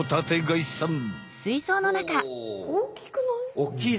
大きくない？